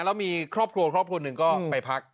แล้วมีครอบครัวครอบครัวหนึ่งก็ไปพัก